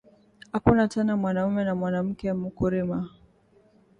Akuna tena mwanaume na mwanamuke muku rima